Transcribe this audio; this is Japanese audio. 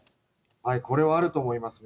これはあると思いますね。